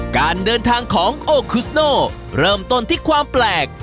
การเดินทางของโอคุสโน่เริ่มต้นที่ความแปลก